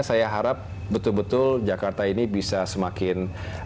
saya harap betul betul jakarta ini bisa semakin